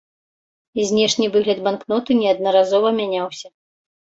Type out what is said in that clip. Знешні выгляд банкноты неаднаразова мяняўся.